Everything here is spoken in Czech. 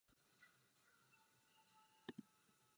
Podle mého názoru už Parlament k této otázce zaujal postoj.